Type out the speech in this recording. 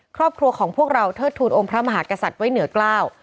ครอบครัวของพวกเราเทิดทูลองค์พระมหากษัตริย์ไว้เหนือกล้า